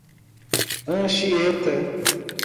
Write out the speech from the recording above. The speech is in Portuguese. Anchieta